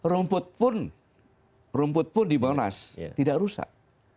dua dua belas rumput pun rumput pun di monas tidak rusak